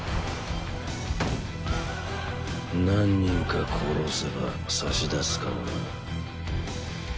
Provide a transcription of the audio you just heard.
何人か殺せば差し出すかもな。